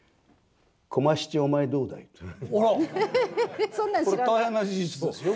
えっ！大変な事実ですよ